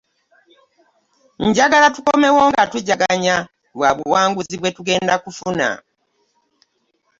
Njagala tukomewo nga tujaganya lwa buwanguzi bwe tugenda kufuna.